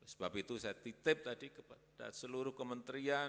sebab itu saya titip tadi kepada seluruh kementerian